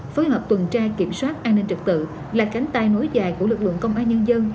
phối hợp tuần tra kiểm soát an ninh trực tự là cánh tay nối dài của lực lượng công an nhân dân